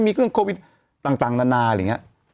มีเครื่องโควิดต่างนานาอะไรอย่างนี้